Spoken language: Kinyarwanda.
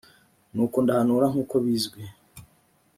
nuko ndahanura nk uko bizwi